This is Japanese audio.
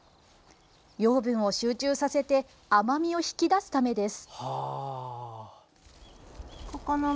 養分を集中させて甘みを引き出すためです。